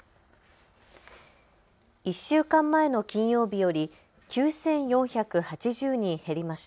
１週間前の金曜日より９４８０人減りました。